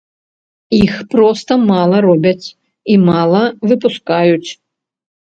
Іх проста мала робяць і мала выпускаюць.